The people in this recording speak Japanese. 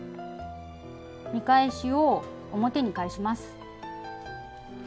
見返しを表に返します。